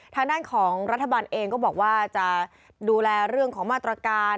ทางด้านของรัฐบาลเองก็บอกว่าจะดูแลเรื่องของมาตรการ